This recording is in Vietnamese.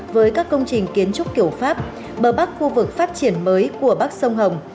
với các công trình kiến trúc kiểu pháp bờ bắc khu vực phát triển mới của bắc sông hồng